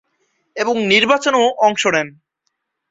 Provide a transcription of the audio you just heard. এবং নির্বাচনেও অংশ নেন।